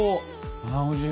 あおいしい。